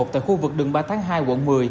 tại khu vực đường ba tháng hai quận một mươi